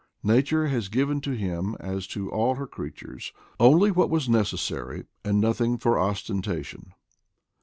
Na ture has given to him, as to all her creatures, only what was necessary, and nothing for ostentation.